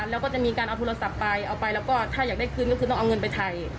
แล้วก็จะมีการเอาโทรศัพท์ไปเอาไปแล้วก็ถ้าอยากได้คืนก็คือต้องเอาเงินไปถ่าย